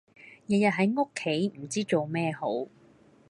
日日喺屋企唔知做咩好